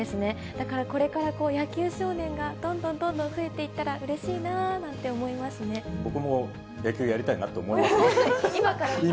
だから、これから野球少年がどんどんどんどん増えていったらうれしいなな僕も野球やりたいなと思いま今からですか。